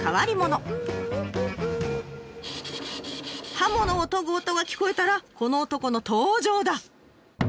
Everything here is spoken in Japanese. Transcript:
刃物を研ぐ音が聞こえたらこの男の登場だ！